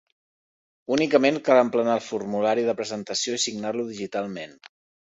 Únicament cal emplenar el formulari de presentació i signar-lo digitalment.